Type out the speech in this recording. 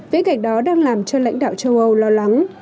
viễn cảnh đó đang làm cho lãnh đạo châu âu lo lắng